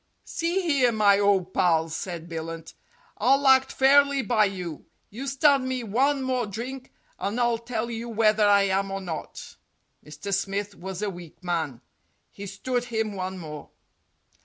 "See here, my ole pal," said Billunt, "I'll act fairly by you. You stand me one more drink, and I'll tell you whether I am or not." Mr. Smith was a weak man. He stood him one more.